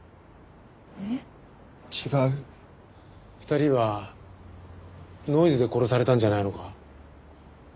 ２人はノイズで殺されたんじゃないのか？